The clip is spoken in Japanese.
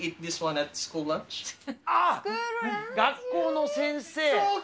あっ、学校の先生。